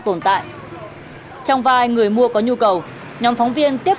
từ hàn the màu công nghiệp